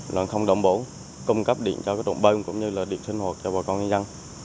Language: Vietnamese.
nó không động bổ cung cấp điện cho cái trộm bơm cũng như là điện sinh hoạt cho bà con người dân